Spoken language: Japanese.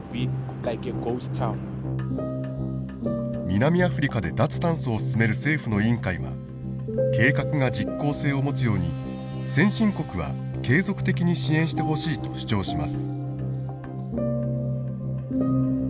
南アフリカで脱炭素を進める政府の委員会は計画が実行性を持つように先進国は継続的に支援してほしいと主張します。